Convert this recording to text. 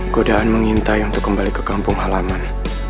godaan mengintai untuk kembali ke kampung halaman